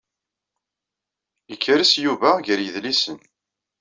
Yekker-s Yuba gar yidlisen.